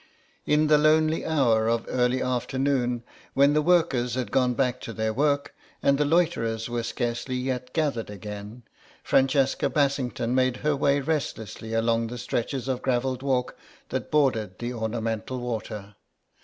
In the lonely hour of early afternoon, when the workers had gone back to their work, and the loiterers were scarcely yet gathered again, Francesca Bassington made her way restlessly along the stretches of gravelled walk that bordered the ornamental water.